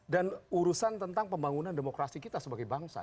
dan urusan tentang pembangunan demokrasi kita sebagai bangsa